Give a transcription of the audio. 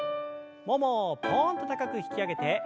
ももをぽんと高く引き上げて。